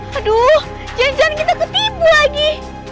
aduh jangan jangan kita ketipu lagi